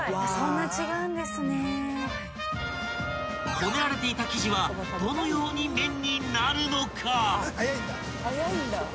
［こねられていた生地はどのように麺になるのか？］